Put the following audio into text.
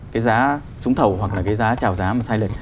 cái giá trúng thầu hoặc là cái giá trào giá mà sai lệch